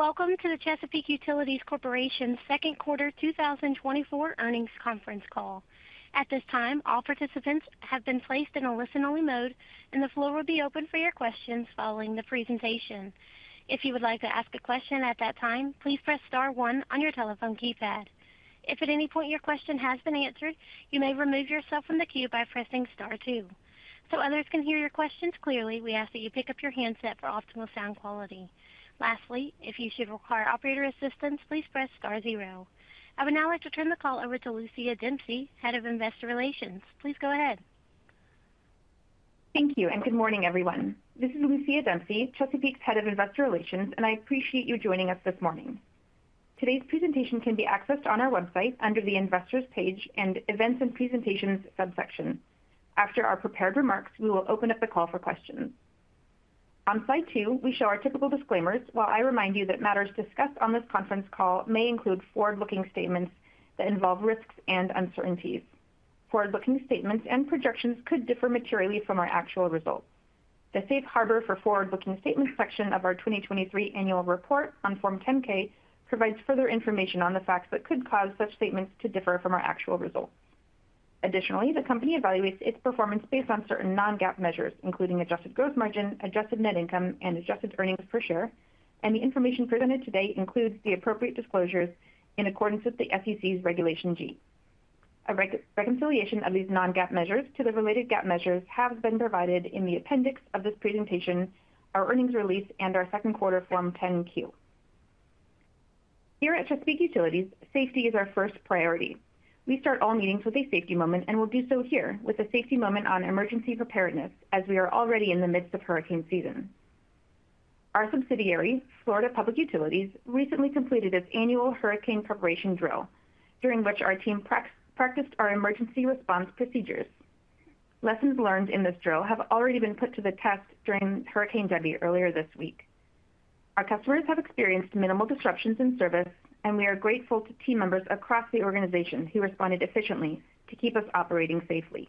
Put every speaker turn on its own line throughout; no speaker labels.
Welcome to the Chesapeake Utilities Corporation's second quarter 2024 earnings conference call. At this time, all participants have been placed in a listen-only mode, and the floor will be open for your questions following the presentation. If you would like to ask a question at that time, please press star one on your telephone keypad. If at any point your question has been answered, you may remove yourself from the queue by pressing star two. So others can hear your questions clearly, we ask that you pick up your handset for optimal sound quality. Lastly, if you should require operator assistance, please press star zero. I would now like to turn the call over to Lucia Dempsey, Head of Investor Relations. Please go ahead.
Thank you, and good morning, everyone. This is Lucia Dempsey, Chesapeake's Head of Investor Relations, and I appreciate you joining us this morning. Today's presentation can be accessed on our website under the Investors page and Events and Presentations subsection. After our prepared remarks, we will open up the call for questions. On slide 2, we show our typical disclaimers, while I remind you that matters discussed on this conference call may include forward-looking statements that involve risks and uncertainties. Forward-looking statements and projections could differ materially from our actual results. The "Safe Harbor for Forward-Looking Statements" section of our 2023 annual report on Form 10-K provides further information on the facts that could cause such statements to differ from our actual results. Additionally, the company evaluates its performance based on certain non-GAAP measures, including adjusted gross margin, adjusted net income, and adjusted earnings per share, and the information presented today includes the appropriate disclosures in accordance with the SEC's Regulation G. A reconciliation of these non-GAAP measures to the related GAAP measures have been provided in the appendix of this presentation, our earnings release, and our second quarter Form 10-Q. Here at Chesapeake Utilities, safety is our first priority. We start all meetings with a safety moment, and we'll do so here with a safety moment on emergency preparedness, as we are already in the midst of hurricane season. Our subsidiary, Florida Public Utilities, recently completed its annual hurricane preparation drill, during which our team practiced our emergency response procedures. Lessons learned in this drill have already been put to the test during Hurricane Debby earlier this week. Our customers have experienced minimal disruptions in service, and we are grateful to team members across the organization who responded efficiently to keep us operating safely.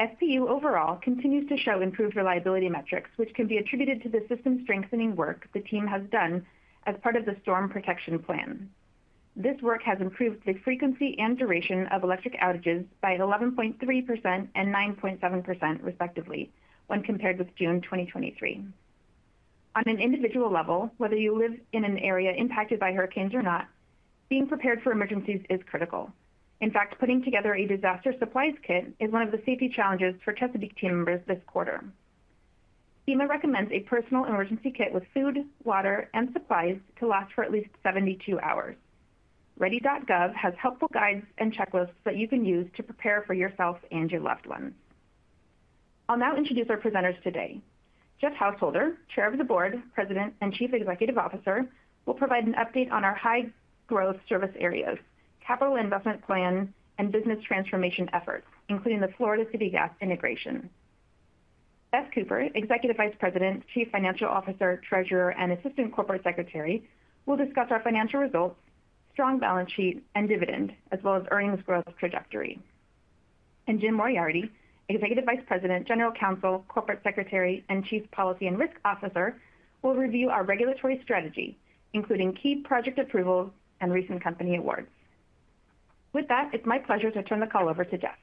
FPU overall continues to show improved reliability metrics, which can be attributed to the system strengthening work the team has done as part of the Storm Protection Plan. This work has improved the frequency and duration of electric outages by 11.3% and 9.7%, respectively, when compared with June 2023. On an individual level, whether you live in an area impacted by hurricanes or not, being prepared for emergencies is critical. In fact, putting together a disaster supplies kit is one of the safety challenges for Chesapeake team members this quarter. FEMA recommends a personal emergency kit with food, water, and supplies to last for at least 72 hours. Ready.gov has helpful guides and checklists that you can use to prepare for yourself and your loved ones. I'll now introduce our presenters today. Jeff Householder, Chair of the Board, President, and Chief Executive Officer, will provide an update on our high growth service areas, capital investment plan, and business transformation efforts, including the Florida City Gas integration. Beth Cooper, Executive Vice President, Chief Financial Officer, Treasurer, and Assistant Corporate Secretary, will discuss our financial results, strong balance sheet, and dividend, as well as earnings growth trajectory. And Jim Moriarty, Executive Vice President, General Counsel, Corporate Secretary, and Chief Policy and Risk Officer, will review our regulatory strategy, including key project approvals and recent company awards. With that, it's my pleasure to turn the call over to Jeff.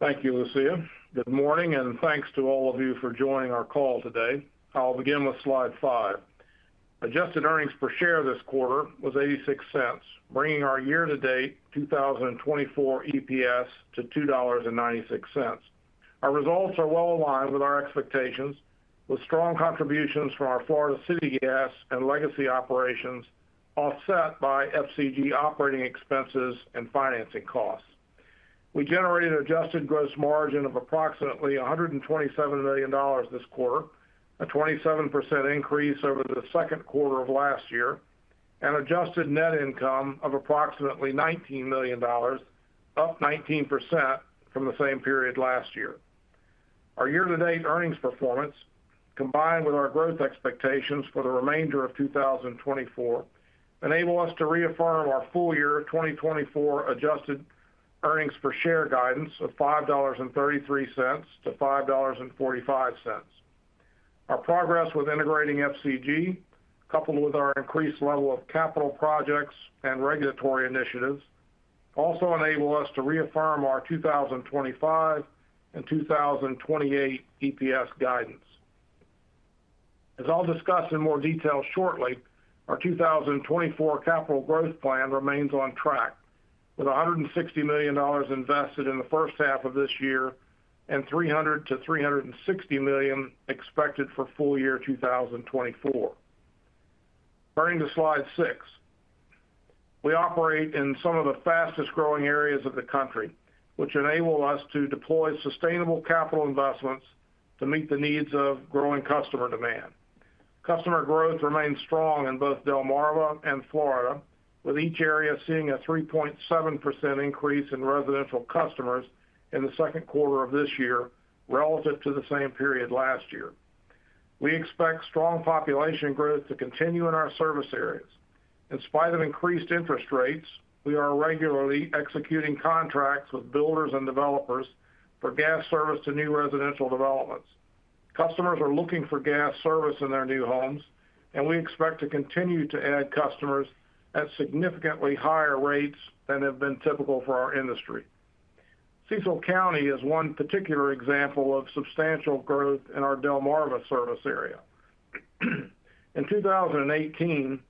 Thank you, Lucia. Good morning, and thanks to all of you for joining our call today. I'll begin with slide five. Adjusted earnings per share this quarter was $0.86, bringing our year-to-date 2024 EPS to $2.96. Our results are well aligned with our expectations, with strong contributions from our Florida City Gas and legacy operations, offset by FCG operating expenses and financing costs. We generated adjusted gross margin of approximately $127 million this quarter, a 27% increase over the second quarter of last year, and adjusted net income of approximately $19 million, up 19% from the same period last year. Our year-to-date earnings performance, combined with our growth expectations for the remainder of 2024, enable us to reaffirm our full year 2024 adjusted earnings per share guidance of $5.33-$5.45. Our progress with integrating FCG, coupled with our increased level of capital projects and regulatory initiatives, also enable us to reaffirm our 2025 and 2028 EPS guidance. As I'll discuss in more detail shortly, our 2024 capital growth plan remains on track, with $160 million invested in the first half of this year and $300 million-$360 million expected for full year 2024. Turning to slide six. We operate in some of the fastest-growing areas of the country, which enable us to deploy sustainable capital investments to meet the needs of growing customer demand. Customer growth remains strong in both Delmarva and Florida, with each area seeing a 3.7% increase in residential customers in the second quarter of this year relative to the same period last year. We expect strong population growth to continue in our service areas. In spite of increased interest rates, we are regularly executing contracts with builders and developers for gas service to new residential developments. Customers are looking for gas service in their new homes, and we expect to continue to add customers at significantly higher rates than have been typical for our industry. Cecil County is one particular example of substantial growth in our Delmarva service area. In 2018,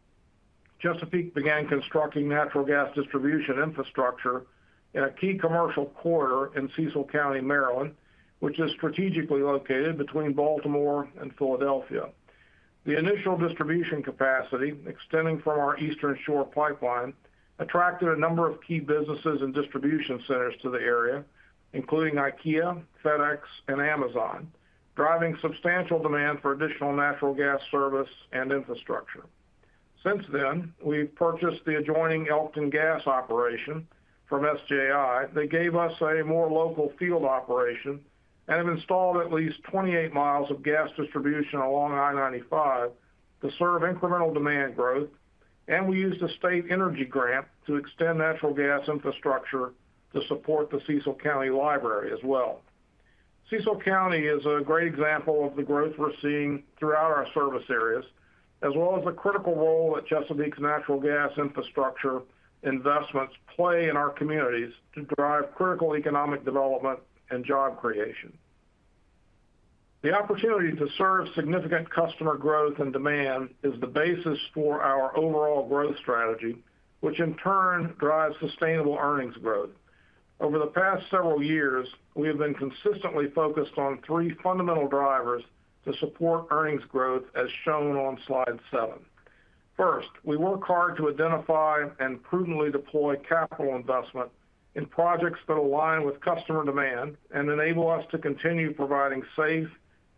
Chesapeake began constructing natural gas distribution infrastructure in a key commercial corridor in Cecil County, Maryland, which is strategically located between Baltimore and Philadelphia. The initial distribution capacity, extending from our Eastern Shore pipeline, attracted a number of key businesses and distribution centers to the area, including IKEA, FedEx, and Amazon, driving substantial demand for additional natural gas service and infrastructure. Since then, we've purchased the adjoining Elkton Gas operation from SJI. They gave us a more local field operation and have installed at least 28 miles of gas distribution along I-95 to serve incremental demand growth, and we used a state energy grant to extend natural gas infrastructure to support the Cecil County Library as well. Cecil County is a great example of the growth we're seeing throughout our service areas, as well as the critical role that Chesapeake's natural gas infrastructure investments play in our communities to drive critical economic development and job creation. The opportunity to serve significant customer growth and demand is the basis for our overall growth strategy, which in turn drives sustainable earnings growth. Over the past several years, we have been consistently focused on three fundamental drivers to support earnings growth, as shown on slide seven. First, we work hard to identify and prudently deploy capital investment in projects that align with customer demand and enable us to continue providing safe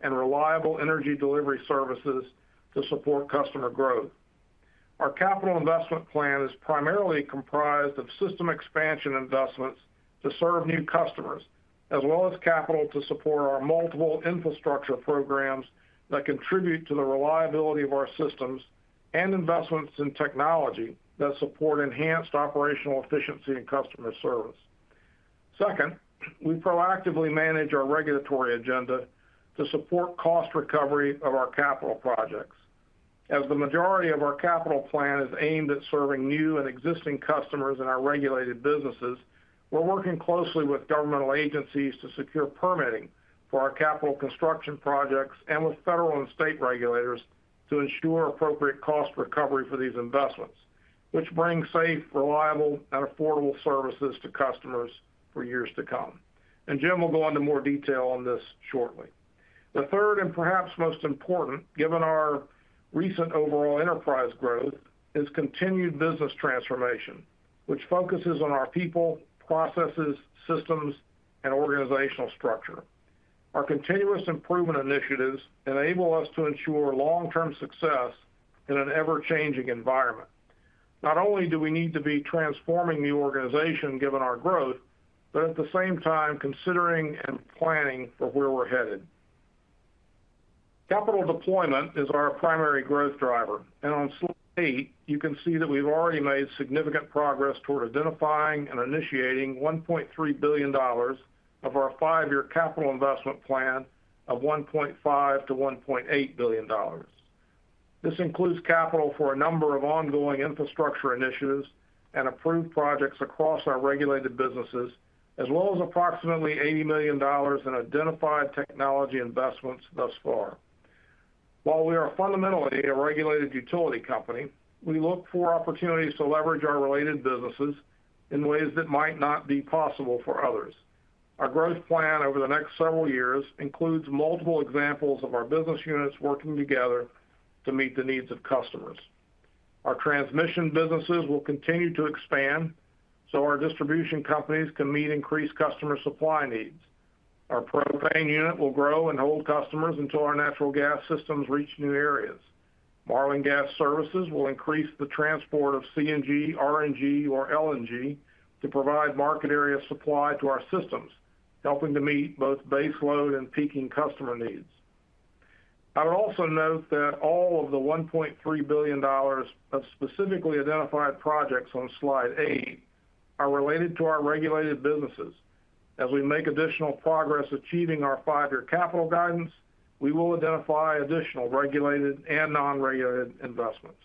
and reliable energy delivery services to support customer growth. Our capital investment plan is primarily comprised of system expansion investments to serve new customers, as well as capital to support our multiple infrastructure programs that contribute to the reliability of our systems and investments in technology that support enhanced operational efficiency and customer service. Second, we proactively manage our regulatory agenda to support cost recovery of our capital projects. As the majority of our capital plan is aimed at serving new and existing customers in our regulated businesses, we're working closely with governmental agencies to secure permitting for our capital construction projects and with federal and state regulators to ensure appropriate cost recovery for these investments, which bring safe, reliable, and affordable services to customers for years to come. Jim will go into more detail on this shortly. The third, and perhaps most important, given our recent overall enterprise growth, is continued business transformation, which focuses on our people, processes, systems, and organizational structure. Our continuous improvement initiatives enable us to ensure long-term success in an ever-changing environment. Not only do we need to be transforming the organization, given our growth, but at the same time considering and planning for where we're headed. Capital deployment is our primary growth driver, and on slide 8, you can see that we've already made significant progress toward identifying and initiating $1.3 billion of our five-year capital investment plan of $1.5 billion-$1.8 billion. This includes capital for a number of ongoing infrastructure initiatives and approved projects across our regulated businesses, as well as approximately $80 million in identified technology investments thus far. While we are fundamentally a regulated utility company, we look for opportunities to leverage our related businesses in ways that might not be possible for others. Our growth plan over the next several years includes multiple examples of our business units working together to meet the needs of customers. Our transmission businesses will continue to expand, so our distribution companies can meet increased customer supply needs. Our propane unit will grow and hold customers until our natural gas systems reach new areas. Marlin Gas Services will increase the transport of CNG, RNG, or LNG to provide market area supply to our systems, helping to meet both baseload and peaking customer needs. I would also note that all of the $1.3 billion of specifically identified projects on slide eight are related to our regulated businesses. As we make additional progress achieving our 5-year capital guidance, we will identify additional regulated and non-regulated investments.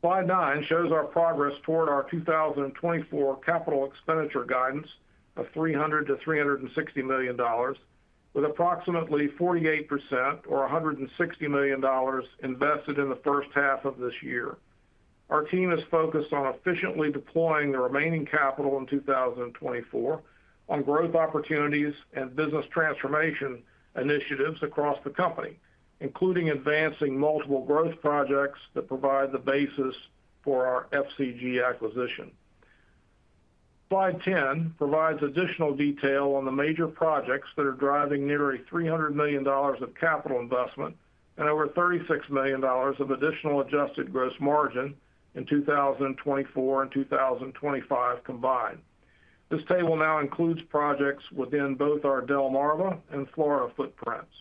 Slide 9 shows our progress toward our 2024 capital expenditure guidance of $300 million-$360 million, with approximately 48% or $160 million invested in the first half of this year. Our team is focused on efficiently deploying the remaining capital in 2024 on growth opportunities and business transformation initiatives across the company, including advancing multiple growth projects that provide the basis for our FCG acquisition. Slide 10 provides additional detail on the major projects that are driving nearly $300 million of capital investment and over $36 million of additional adjusted gross margin in 2024 and 2025 combined.... This table now includes projects within both our Delmarva and Florida footprints.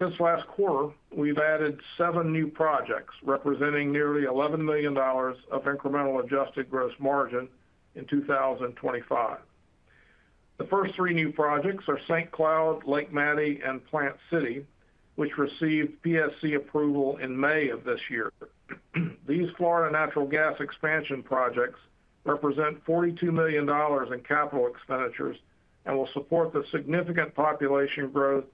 This last quarter, we've added 7 new projects, representing nearly $11 million of incremental adjusted gross margin in 2025. The first 3 new projects are St. Cloud, Lake Mattie, and Plant City, which received PSC approval in May of this year. These Florida natural gas expansion projects represent $42 million in capital expenditures and will support the significant population growth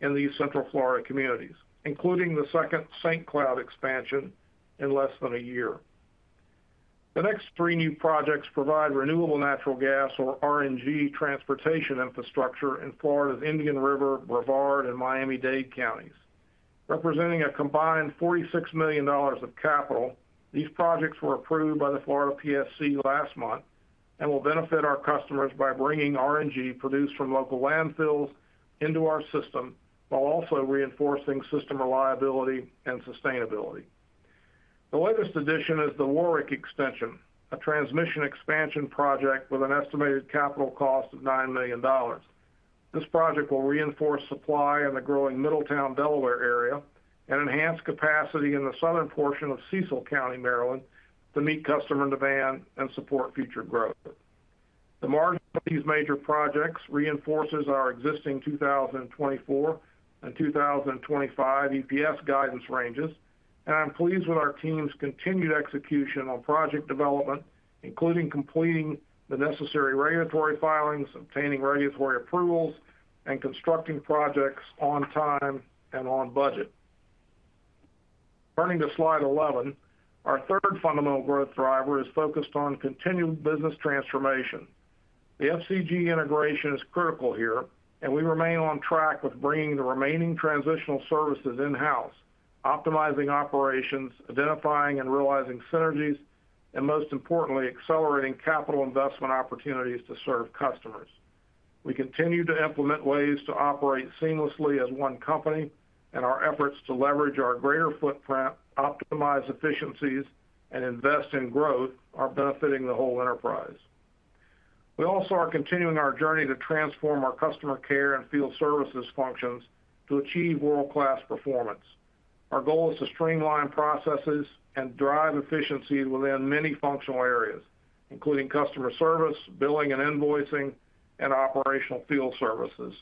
in these Central Florida communities, including the second St. Cloud expansion in less than a year. The next 3 new projects provide renewable natural gas, or RNG, transportation infrastructure in Florida's Indian River, Brevard and Miami-Dade counties. Representing a combined $46 million of capital, these projects were approved by the Florida PSC last month and will benefit our customers by bringing RNG produced from local landfills into our system, while also reinforcing system reliability and sustainability. The latest addition is the Warwick Extension, a transmission expansion project with an estimated capital cost of $9 million. This project will reinforce supply in the growing Middletown, Delaware, area and enhance capacity in the southern portion of Cecil County, Maryland, to meet customer demand and support future growth. The margin of these major projects reinforces our existing 2024 and 2025 EPS guidance ranges, and I'm pleased with our team's continued execution on project development, including completing the necessary regulatory filings, obtaining regulatory approvals, and constructing projects on time and on budget. Turning to slide 11, our third fundamental growth driver is focused on continued business transformation. The FCG integration is critical here, and we remain on track with bringing the remaining transitional services in-house, optimizing operations, identifying and realizing synergies, and most importantly, accelerating capital investment opportunities to serve customers. We continue to implement ways to operate seamlessly as one company, and our efforts to leverage our greater footprint, optimize efficiencies, and invest in growth are benefiting the whole enterprise. We also are continuing our journey to transform our customer care and field services functions to achieve world-class performance. Our goal is to streamline processes and drive efficiency within many functional areas, including customer service, billing and invoicing, and operational field services,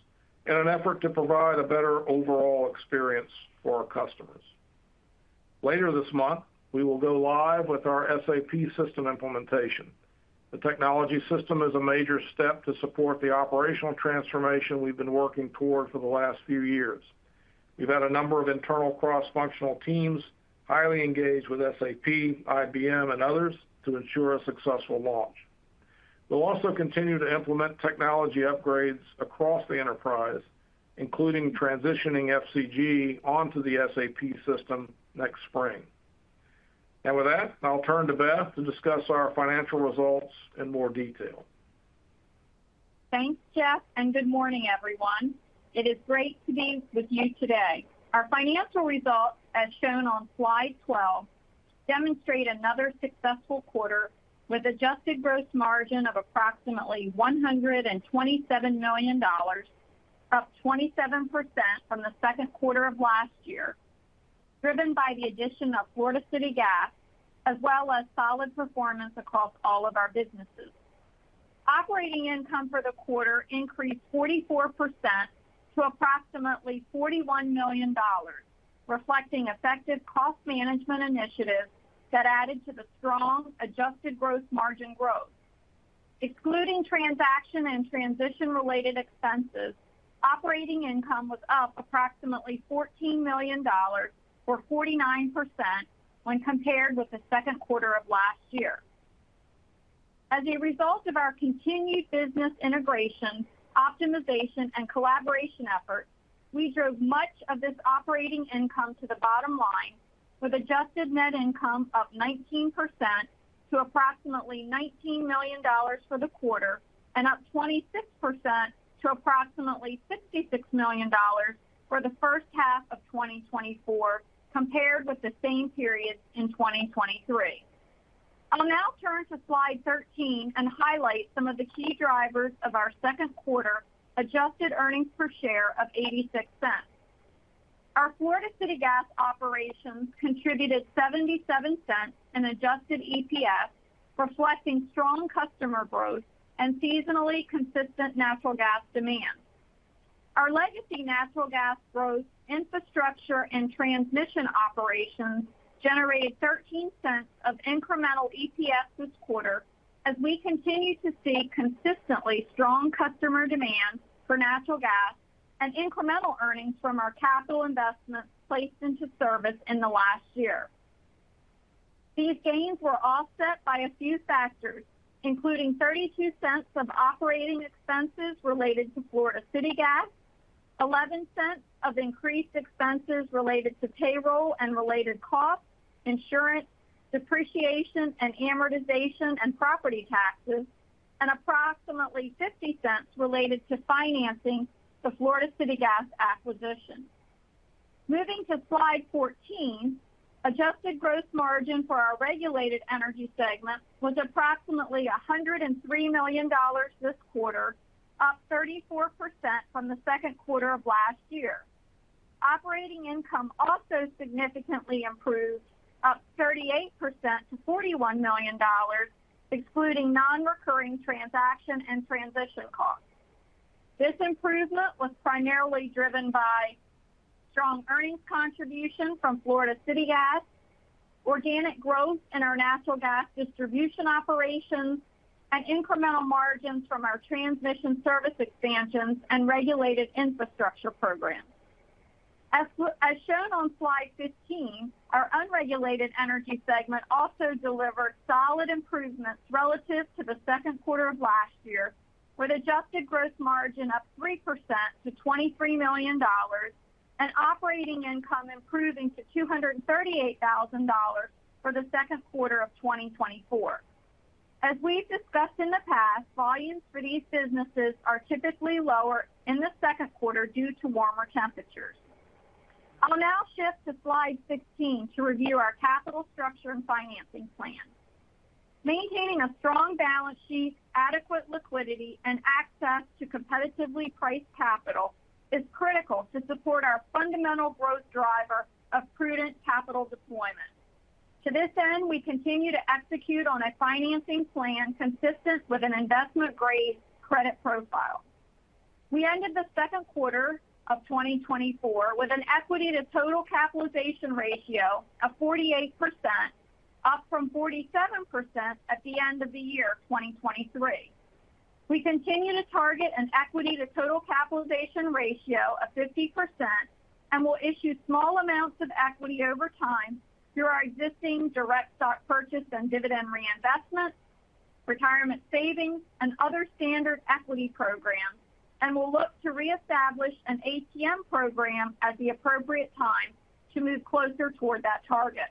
in an effort to provide a better overall experience for our customers. Later this month, we will go live with our SAP system implementation. The technology system is a major step to support the operational transformation we've been working toward for the last few years. We've had a number of internal cross-functional teams, highly engaged with SAP, IBM, and others to ensure a successful launch. We'll also continue to implement technology upgrades across the enterprise, including transitioning FCG onto the SAP system next spring. With that, I'll turn to Beth to discuss our financial results in more detail.
Thanks, Jeff, and good morning, everyone. It is great to be with you today. Our financial results, as shown on slide 12, demonstrate another successful quarter, with adjusted gross margin of approximately $127 million, up 27% from the second quarter of last year, driven by the addition of Florida City Gas, as well as solid performance across all of our businesses. Operating income for the quarter increased 44% to approximately $41 million, reflecting effective cost management initiatives that added to the strong adjusted gross margin growth. Excluding transaction and transition-related expenses, operating income was up approximately $14 million, or 49%, when compared with the second quarter of last year. As a result of our continued business integration, optimization, and collaboration efforts, we drove much of this operating income to the bottom line, with adjusted net income up 19% to approximately $19 million for the quarter and up 26% to approximately $56 million for the first half of 2024, compared with the same period in 2023. I'll now turn to slide 13 and highlight some of the key drivers of our second quarter adjusted earnings per share of $0.86. Our Florida City Gas operations contributed $0.77 in adjusted EPS, reflecting strong customer growth and seasonally consistent natural gas demand. Our legacy natural gas growth, infrastructure, and transmission operations generated $0.13 of incremental EPS this quarter, as we continue to see consistently strong customer demand for natural gas and incremental earnings from our capital investments placed into service in the last year. These gains were offset by a few factors, including $0.32 of operating expenses related to Florida City Gas, $0.11 of increased expenses related to payroll and related costs, insurance, depreciation, and amortization, and property taxes, and approximately $0.50 related to financing the Florida City Gas acquisition. Moving to slide 14, adjusted gross margin for our regulated energy segment was approximately $103 million this quarter, up 34% from the second quarter of last year. Operating income also significantly improved, up 38% to $41 million, excluding non-recurring transaction and transition costs. This improvement was primarily driven by strong earnings contribution from Florida City Gas, organic growth in our natural gas distribution operations, and incremental margins from our transmission service expansions and regulated infrastructure programs. As shown on slide 15, our unregulated energy segment also delivered solid improvements relative to the second quarter of last year, with adjusted gross margin up 3% to $23 million and operating income improving to $238,000 for the second quarter of 2024. As we've discussed in the past, volumes for these businesses are typically lower in the second quarter due to warmer temperatures. I'll now shift to slide 16 to review our capital structure and financing plan. Maintaining a strong balance sheet, adequate liquidity, and access to competitively priced capital is critical to support our fundamental growth driver of prudent capital deployment. To this end, we continue to execute on a financing plan consistent with an investment-grade credit profile. We ended the second quarter of 2024 with an equity to total capitalization ratio of 48%, up from 47% at the end of the year, 2023. We continue to target an equity to total capitalization ratio of 50% and will issue small amounts of equity over time through our existing direct stock purchase and dividend reinvestment, retirement savings, and other standard equity programs, and we'll look to reestablish an ATM program at the appropriate time to move closer toward that target.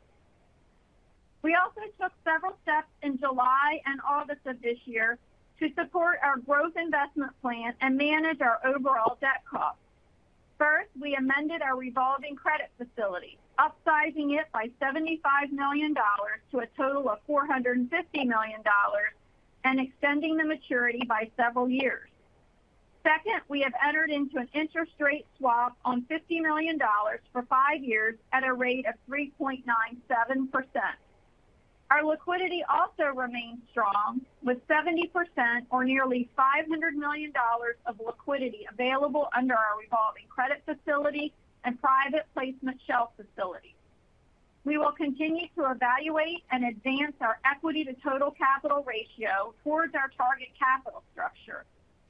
We also took several steps in July and August of this year to support our growth investment plan and manage our overall debt costs. First, we amended our revolving credit facility, upsizing it by $75 million to a total of $450 million and extending the maturity by several years. Second, we have entered into an interest rate swap on $50 million for 5 years at a rate of 3.97%. Our liquidity also remains strong, with 70% or nearly $500 million of liquidity available under our revolving credit facility and private placement shelf facility. We will continue to evaluate and advance our equity to total capital ratio towards our target capital structure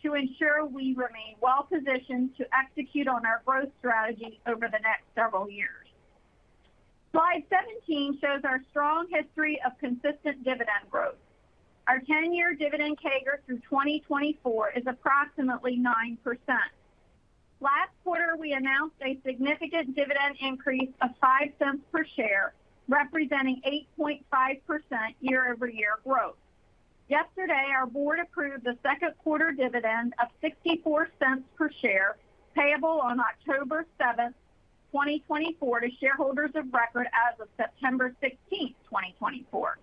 to ensure we remain well-positioned to execute on our growth strategy over the next several years. Slide 17 shows our strong history of consistent dividend growth. Our 10-year dividend CAGR through 2024 is approximately 9%. Last quarter, we announced a significant dividend increase of $0.05 per share, representing 8.5% year-over-year growth. Yesterday, our board approved a second quarter dividend of $0.64 per share, payable on October 7, 2024, to shareholders of record as of September 16, 2024.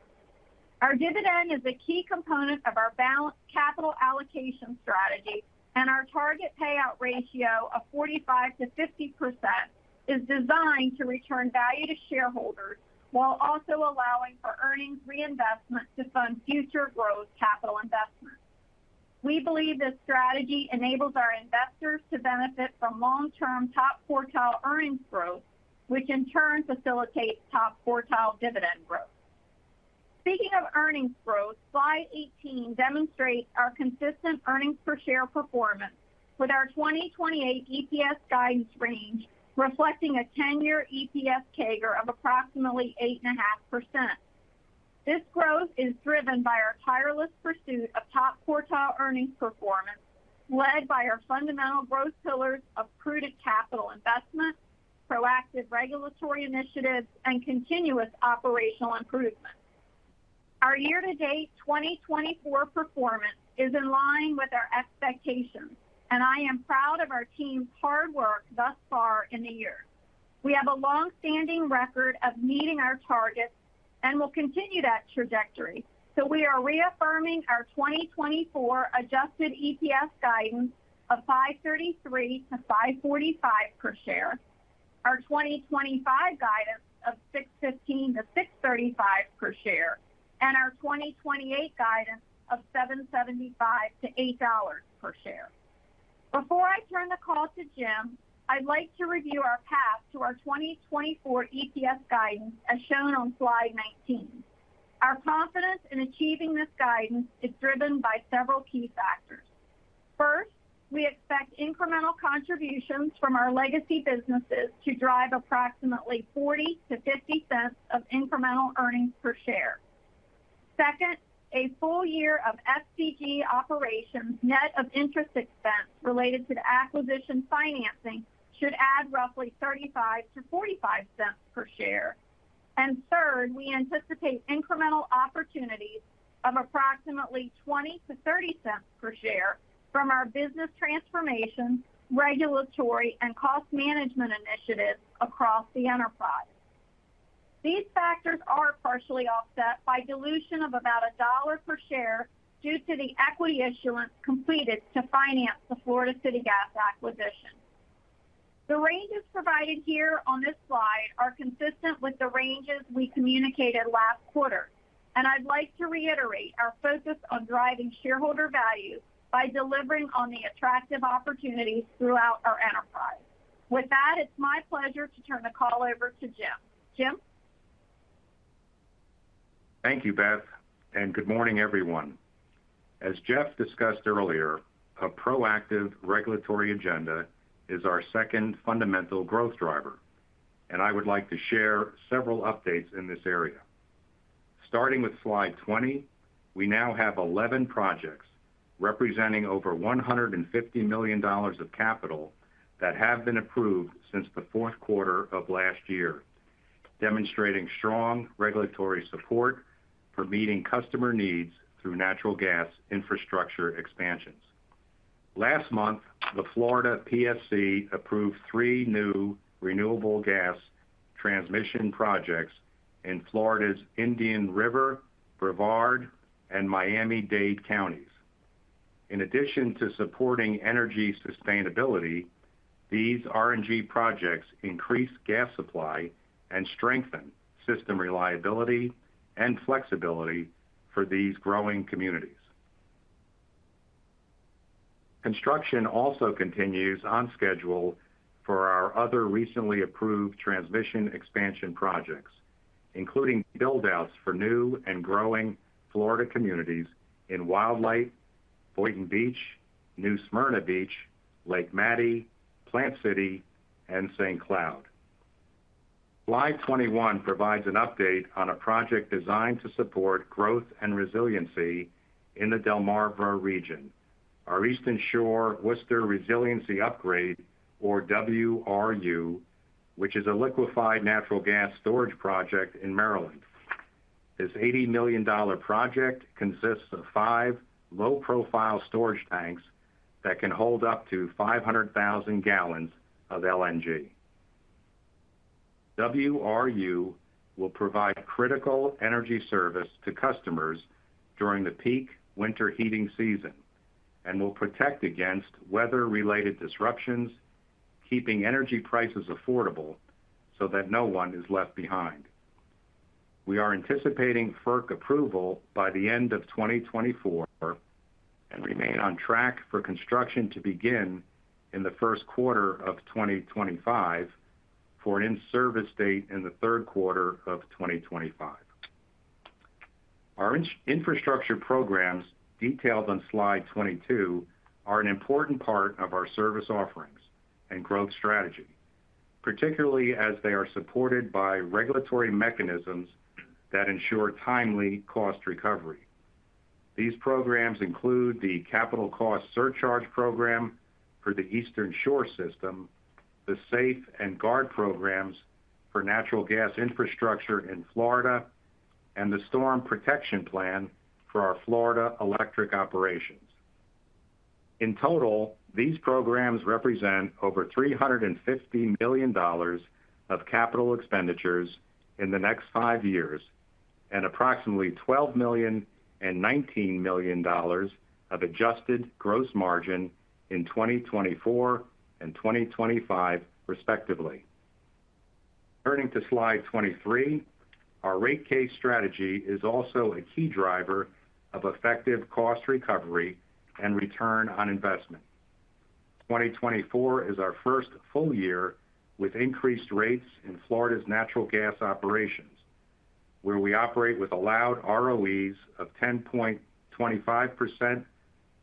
Our dividend is a key component of our balanced capital allocation strategy, and our target payout ratio of 45%-50% is designed to return value to shareholders, while also allowing for earnings reinvestment to fund future growth capital investments. We believe this strategy enables our investors to benefit from long-term, top-quartile earnings growth, which in turn facilitates top-quartile dividend growth. Speaking of earnings growth, slide 18 demonstrates our consistent earnings per share performance with our 2028 EPS guidance range, reflecting a 10-year EPS CAGR of approximately 8.5%. This growth is driven by our tireless pursuit of top-quartile earnings performance, led by our fundamental growth pillars of prudent capital investment, proactive regulatory initiatives, and continuous operational improvement. Our year-to-date 2024 performance is in line with our expectations, and I am proud of our team's hard work thus far in the year. We have a long-standing record of meeting our targets, and we'll continue that trajectory. So we are reaffirming our 2024 adjusted EPS guidance of $5.33-$5.45 per share, our 2025 guidance of $6.15-$6.35 per share, and our 2028 guidance of $7.75-$8 per share. Before I turn the call to Jim, I'd like to review our path to our 2024 EPS guidance, as shown on slide 19. Our confidence in achieving this guidance is driven by several key factors. First, we expect incremental contributions from our legacy businesses to drive approximately $0.40-$0.50 of incremental earnings per share. Second, a full year of SPG operations, net of interest expense related to the acquisition financing, should add roughly $0.35-$0.45 per share. And third, we anticipate incremental opportunities of approximately $0.20-$0.30 per share from our business transformation, regulatory, and cost management initiatives across the enterprise. These factors are partially offset by dilution of about $1 per share due to the equity issuance completed to finance the Florida City Gas acquisition. The ranges provided here on this slide are consistent with the ranges we communicated last quarter, and I'd like to reiterate our focus on driving shareholder value by delivering on the attractive opportunities throughout our enterprise. With that, it's my pleasure to turn the call over to Jim. Jim?
Thank you, Beth, and good morning, everyone. As Jeff discussed earlier, a proactive regulatory agenda is our second fundamental growth driver, and I would like to share several updates in this area. Starting with slide 20, we now have 11 projects representing over $150 million of capital that have been approved since the fourth quarter of last year, demonstrating strong regulatory support for meeting customer needs through natural gas infrastructure expansions. Last month, the Florida PSC approved 3 new renewable gas transmission projects in Florida's Indian River County, Brevard County, and Miami-Dade County. In addition to supporting energy sustainability, these RNG projects increase gas supply and strengthen system reliability and flexibility for these growing communities. Construction also continues on schedule for our other recently approved transmission expansion projects, including build-outs for new and growing Florida communities in Wildlight, Boynton Beach, New Smyrna Beach, Lake Mattie, Plant City, and St. Cloud. Slide 21 provides an update on a project designed to support growth and resiliency in the Delmarva region. Our Eastern Shore Worcester Resiliency Upgrade, or WRU, which is a liquefied natural gas storage project in Maryland. This $80 million project consists of five low-profile storage tanks that can hold up to 500,000 gallons of LNG. WRU will provide critical energy service to customers during the peak winter heating season and will protect against weather-related disruptions, keeping energy prices affordable so that no one is left behind. We are anticipating FERC approval by the end of 2024, and remain on track for construction to begin in the first quarter of 2025, for an in-service date in the third quarter of 2025. Our infrastructure programs, detailed on slide 22, are an important part of our service offerings and growth strategy, particularly as they are supported by regulatory mechanisms that ensure timely cost recovery. These programs include the Capital Cost Surcharge Program for the Eastern Shore system, the SAFE and GUARD programs for natural gas infrastructure in Florida, and the Storm Protection Plan for our Florida electric operations. In total, these programs represent over $350 million of capital expenditures in the next five years, and approximately $12 million and $19 million of adjusted gross margin in 2024 and 2025, respectively. Turning to slide 23, our rate case strategy is also a key driver of effective cost recovery and return on investment. 2024 is our first full year with increased rates in Florida's natural gas operations, where we operate with allowed ROEs of 10.25%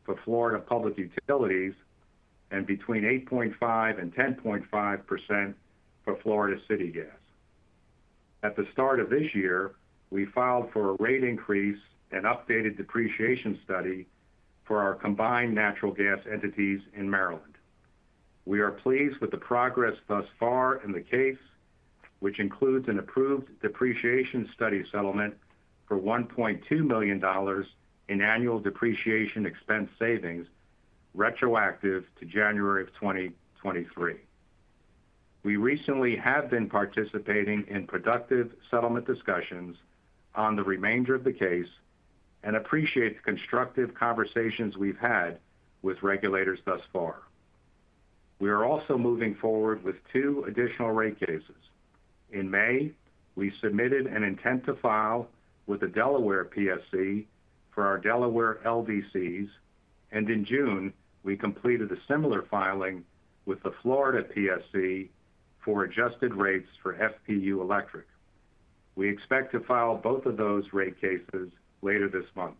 for Florida Public Utilities and between 8.5%-10.5% for Florida City Gas. At the start of this year, we filed for a rate increase and updated depreciation study for our combined natural gas entities in Maryland. We are pleased with the progress thus far in the case, which includes an approved depreciation study settlement for $1.2 million in annual depreciation expense savings, retroactive to January 2023. We recently have been participating in productive settlement discussions on the remainder of the case and appreciate the constructive conversations we've had with regulators thus far. We are also moving forward with 2 additional rate cases. In May, we submitted an intent to file with the Delaware PSC for our Delaware LDCs, and in June, we completed a similar filing with the Florida PSC for adjusted rates for FPU Electric. We expect to file both of those rate cases later this month.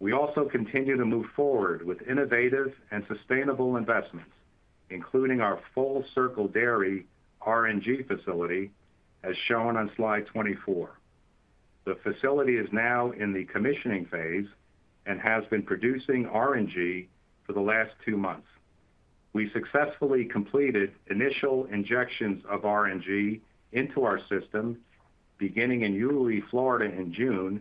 We also continue to move forward with innovative and sustainable investments, including our Full Circle Dairy RNG facility, as shown on slide 24. The facility is now in the commissioning phase and has been producing RNG for the last 2 months. We successfully completed initial injections of RNG into our system, beginning in Yulee, Florida, in June,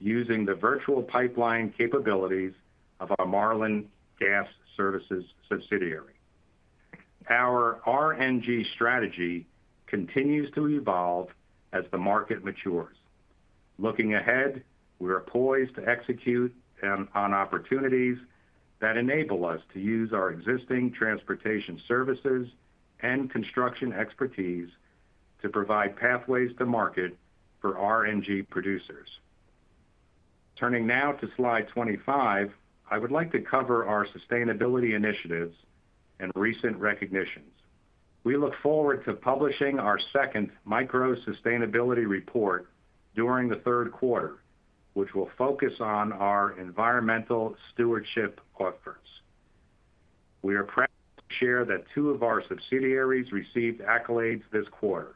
using the virtual pipeline capabilities of our Marlin Gas Services subsidiary. Our RNG strategy continues to evolve as the market matures. Looking ahead, we are poised to execute on opportunities that enable us to use our existing transportation services and construction expertise to provide pathways to market for RNG producers. Turning now to slide 25, I would like to cover our sustainability initiatives and recent recognitions. We look forward to publishing our second micro sustainability report during the third quarter, which will focus on our environmental stewardship efforts. We are proud to share that two of our subsidiaries received accolades this quarter.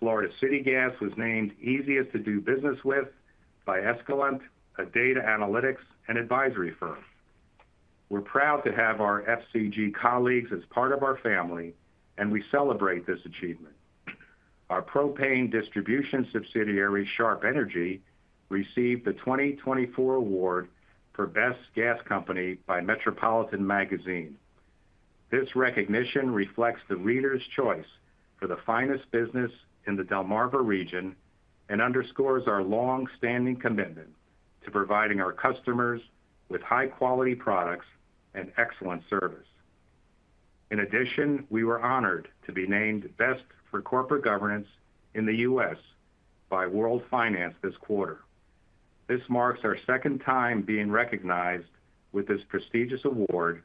Florida City Gas was named "Easiest to do Business With" by Escalent, a data analytics and advisory firm. We're proud to have our FCG colleagues as part of our family, and we celebrate this achievement. Our propane distribution subsidiary, Sharp Energy, received the 2024 award for "Best Gas Company" by Metropolitan Magazine. This recognition reflects the reader's choice for the finest business in the Delmarva region and underscores our long-standing commitment to providing our customers with high-quality products and excellent service. In addition, we were honored to be named Best for Corporate Governance in the U.S. by World Finance this quarter. This marks our second time being recognized with this prestigious award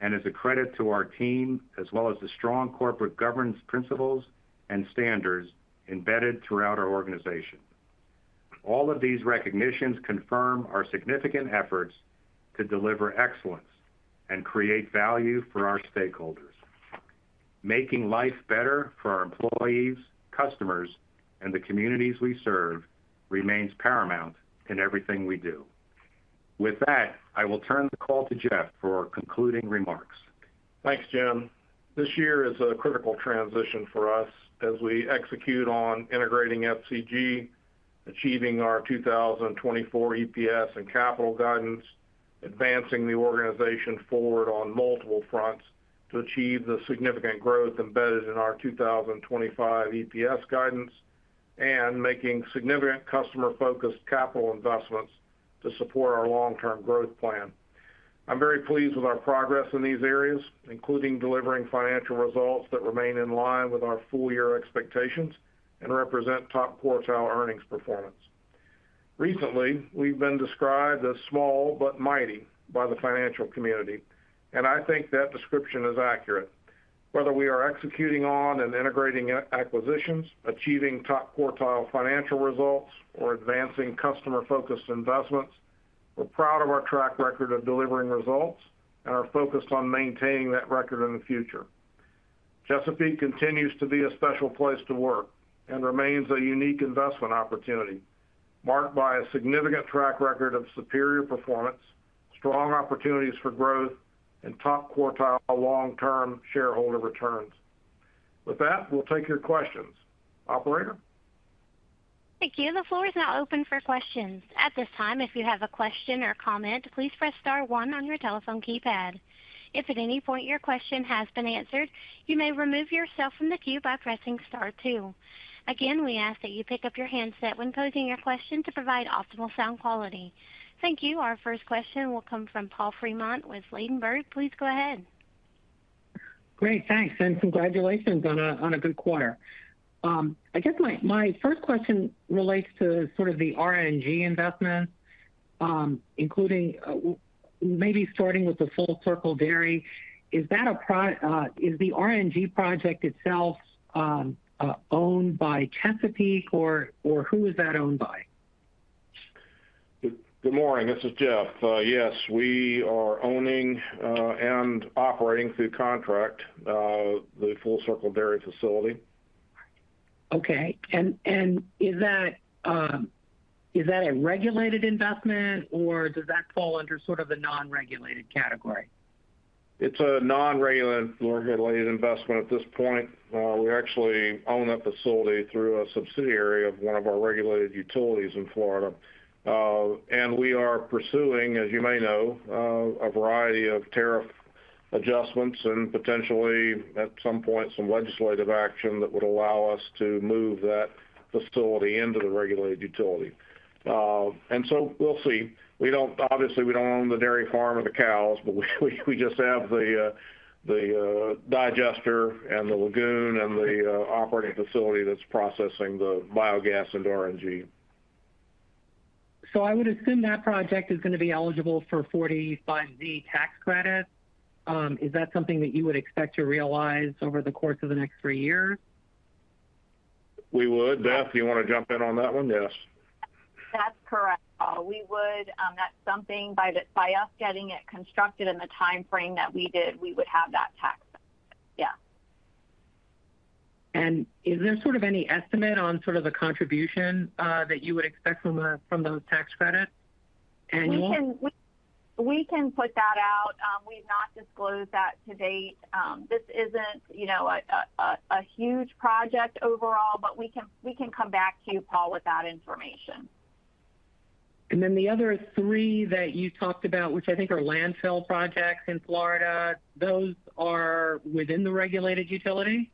and is a credit to our team, as well as the strong corporate governance principles and standards embedded throughout our organization. All of these recognitions confirm our significant efforts to deliver excellence and create value for our stakeholders. Making life better for our employees, customers, and the communities we serve remains paramount in everything we do. With that, I will turn the call to Jeff for concluding remarks.
Thanks, Jim. This year is a critical transition for us as we execute on integrating FCG, achieving our 2024 EPS and capital guidance, advancing the organization forward on multiple fronts to achieve the significant growth embedded in our 2025 EPS guidance, and making significant customer-focused capital investments to support our long-term growth plan. I'm very pleased with our progress in these areas, including delivering financial results that remain in line with our full-year expectations and represent top-quartile earnings performance. Recently, we've been described as small but mighty by the financial community, and I think that description is accurate. Whether we are executing on and integrating acquisitions, achieving top-quartile financial results, or advancing customer-focused investments, we're proud of our track record of delivering results and are focused on maintaining that record in the future. Chesapeake continues to be a special place to work and remains a unique investment opportunity, marked by a significant track record of superior performance, strong opportunities for growth, and top-quartile long-term shareholder returns. With that, we'll take your questions. Operator?
Thank you. The floor is now open for questions. At this time, if you have a question or comment, please press star one on your telephone keypad. If at any point your question has been answered, you may remove yourself from the queue by pressing star two. Again, we ask that you pick up your handset when posing your question to provide optimal sound quality. Thank you. Our first question will come from Paul Fremont with Ladenburg. Please go ahead.
Great, thanks, and congratulations on a, on a good quarter. I guess my, my first question relates to sort of the RNG investment, including, maybe starting with the Full Circle Dairy. Is that a, is the RNG project itself, owned by Chesapeake, or, or who is that owned by?
Good morning, this is Jeff. Yes, we are owning and operating through contract the Full Circle Dairy facility.
Okay. And is that a regulated investment or does that fall under sort of the non-regulated category?
It's a non-regulated, regulated investment at this point. We actually own that facility through a subsidiary of one of our regulated utilities in Florida. And we are pursuing, as you may know, a variety of tariff adjustments and potentially, at some point, some legislative action that would allow us to move that facility into the regulated utility. And so we'll see. We don't, obviously, own the dairy farm or the cows, but we just have the digester and the lagoon and the operating facility that's processing the biogas into RNG.
I would assume that project is going to be eligible for 45B tax credit. Is that something that you would expect to realize over the course of the next three years?
We would. Beth, do you want to jump in on that one? Yes.
That's correct, Paul. We would, that's something by us getting it constructed in the timeframe that we did, we would have that tax. Yeah. ...
Is there sort of any estimate on sort of the contribution that you would expect from those tax credits annual?
We can put that out. We've not disclosed that to date. This isn't, you know, a huge project overall, but we can come back to you, Paul, with that information.
And then the other three that you talked about, which I think are landfill projects in Florida, those are within the regulated utility?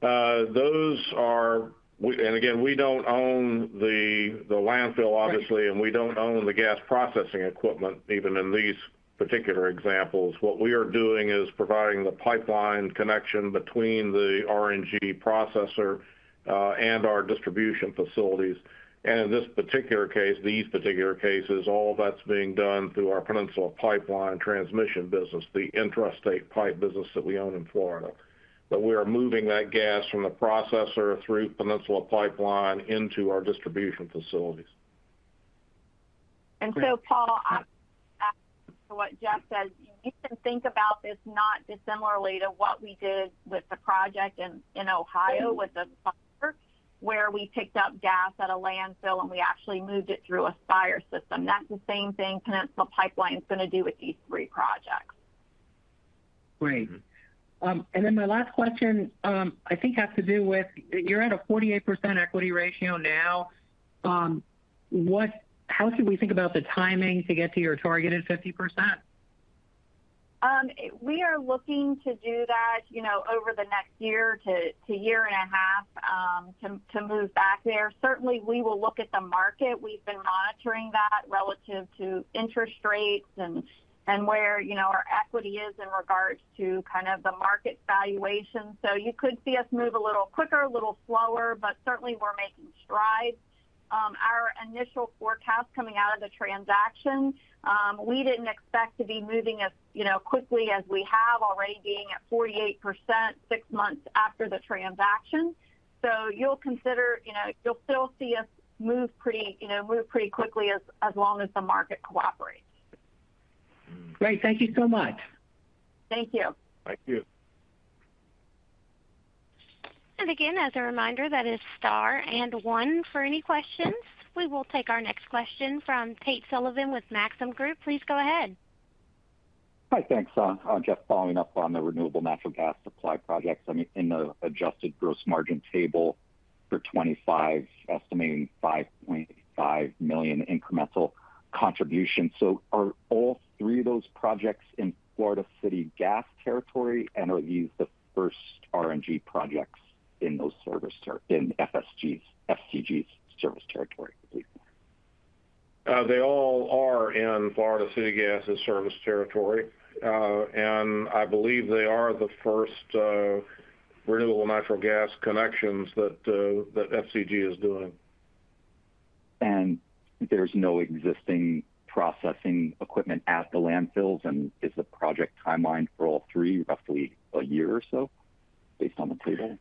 Those are, and again, we don't own the landfill, obviously.
Right.
We don't own the gas processing equipment, even in these particular examples. What we are doing is providing the pipeline connection between the RNG processor and our distribution facilities. And in this particular case, these particular cases, all that's being done through our Peninsula Pipeline transmission business, the intrastate pipe business that we own in Florida. But we are moving that gas from the processor through Peninsula Pipeline into our distribution facilities.
So, Paul, to what Jeff said, you can think about this not dissimilarly to what we did with the project in Ohio where we picked up gas at a landfill, and we actually moved it through an Aspire system. That's the same thing Peninsula Pipeline's gonna do with these three projects.
Great. And then my last question, I think has to do with, you're at a 48% equity ratio now. What - how should we think about the timing to get to your targeted 50%?
We are looking to do that, you know, over the next year to year and a half, to move back there. Certainly, we will look at the market. We've been monitoring that relative to interest rates and where, you know, our equity is in regards to kind of the market valuation. So you could see us move a little quicker, a little slower, but certainly we're making strides. Our initial forecast coming out of the transaction, we didn't expect to be moving as, you know, quickly as we have, already being at 48% six months after the transaction. So you'll consider, you know, you'll still see us move pretty, you know, move pretty quickly as long as the market cooperates.
Great. Thank you so much.
Thank you.
Thank you.
And again, as a reminder, that is star and one for any questions. We will take our next question from Tate Sullivan with Maxim Group. Please go ahead.
Hi. Thanks. Just following up on the renewable natural gas supply projects, I mean, in the Adjusted Gross Margin table for 25, estimating $5.5 million incremental contribution. So are all three of those projects in Florida City Gas territory, and are these the first RNG projects in those service territories in FCG's service territory?
They all are in Florida City Gas's service territory. I believe they are the first renewable natural gas connections that FCG is doing.
There's no existing processing equipment at the landfills, and is the project timeline for all three, roughly a year or so, based on the table?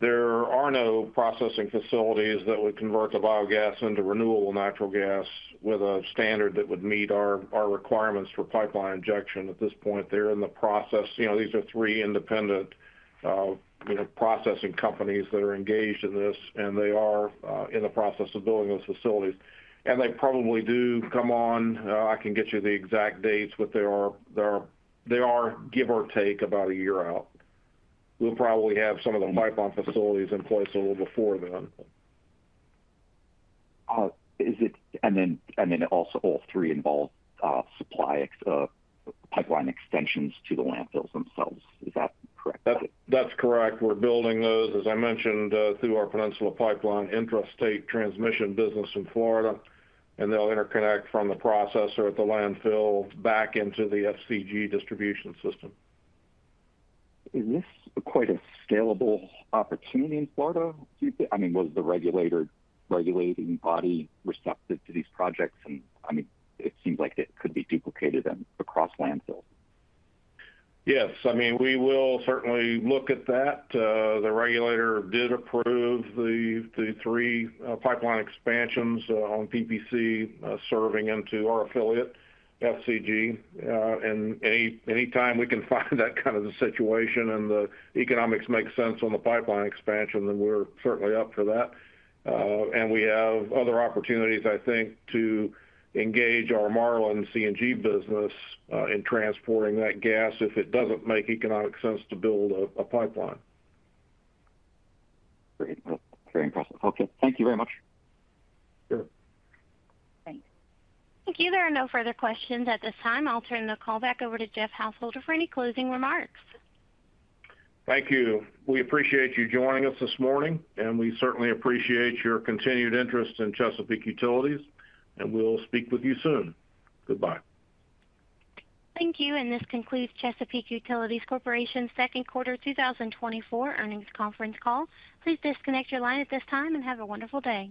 There are no processing facilities that would convert the biogas into renewable natural gas with a standard that would meet our requirements for pipeline injection. At this point, they're in the process... You know, these are three independent, you know, processing companies that are engaged in this, and they are in the process of building those facilities. And they probably do come on. I can get you the exact dates, but they are, give or take, about a year out. We'll probably have some of the pipeline facilities in place a little before then.
And then also all three involve supply expansions, pipeline extensions to the landfills themselves. Is that correct?
That's, that's correct. We're building those, as I mentioned, through our Peninsula Pipeline intrastate transmission business in Florida, and they'll interconnect from the processor at the landfill back into the FCG distribution system.
Is this quite a scalable opportunity in Florida, do you think? I mean, was the regulatory body receptive to these projects? And I mean, it seems like it could be duplicated in, across landfills.
Yes. I mean, we will certainly look at that. The regulator did approve the three pipeline expansions on PPC serving into our affiliate, FCG. And anytime we can find that kind of a situation and the economics makes sense on the pipeline expansion, then we're certainly up for that. And we have other opportunities, I think, to engage our Marlin CNG business in transporting that gas if it doesn't make economic sense to build a pipeline.
Great. Well, very impressive. Okay, thank you very much.
Sure.
Thanks.
Thank you. There are no further questions at this time. I'll turn the call back over to Jeff Householder for any closing remarks.
Thank you. We appreciate you joining us this morning, and we certainly appreciate your continued interest in Chesapeake Utilities, and we'll speak with you soon. Goodbye.
Thank you, and this concludes Chesapeake Utilities Corporation's second quarter 2024 earnings conference call. Please disconnect your line at this time and have a wonderful day.